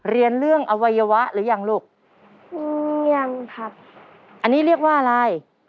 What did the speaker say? เรียนเรื่องอวัยวะหรือยังลูกยังครับอันนี้เรียกว่าอะไร